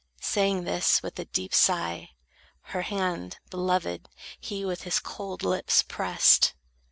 Saying this, with a deep sigh, Her hand beloved he with his cold lips pressed.